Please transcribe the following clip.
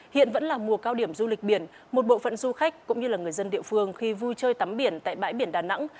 hiện vẫn là mùa cao điểm du lịch biển một bộ phận du khách cũng như là người dân địa phương khi vui chơi tắm biển tại bãi biển đà nẵng